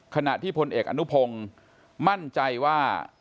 ขณะที่พลเอกอนุพงศ์มั่นใจว่า